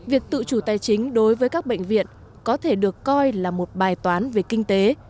việc tự chủ tài chính đối với các bệnh viện có thể được coi là một bài toán về kinh tế